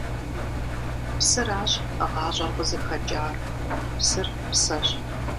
Псыращ ГъащӀэр къызыхэкӀар. Псыр – псэщ!